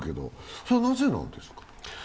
それはなぜなんですか。